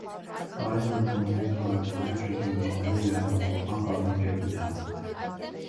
Տարի մը կը մնայ քաղաքին մէջ, ու կը զբաղի յեղափոխական կազմակերպութեամբ։